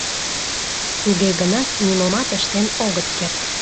Туге гынат нимомат ыштен огыт керт.